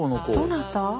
どなた？